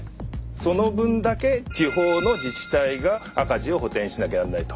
その分だけ地方の自治体が赤字を補填しなきゃなんないと。